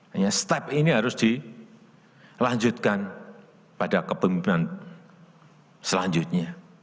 hanya step ini harus dilanjutkan pada kepemimpinan selanjutnya